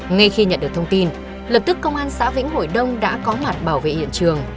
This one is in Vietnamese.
ngay khi nhận được thông tin lập tức công an xã vĩnh hội đông đã có mặt bảo vệ hiện trường